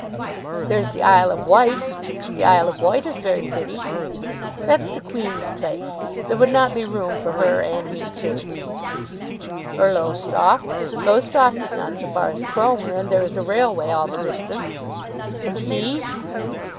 "There's the Isle of Wight. The Isle of Wight is very pretty." "That's the Queen's place. There would not be room for her and me too." "Or Lowestoft. Lowestoft is not so far as Cromer, and there is a railway all the distance." "And sea?"